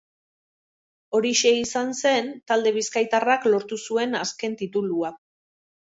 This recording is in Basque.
Horixe izan zen talde bizkaitarrak lortu zuen azken titulua.